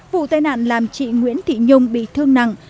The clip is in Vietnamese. vụ tai nạn làm chị nguyễn thị nhung bị thương nặng